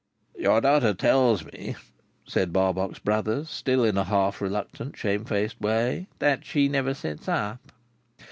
"Your daughter tells me," said Barbox Brothers, still in a half reluctant shamefaced way, "that she never sits up."